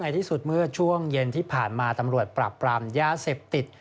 ที่สุดเมื่อช่วงเย็นที่ผ่านมาตำรวจปรับปรามยาเสพติด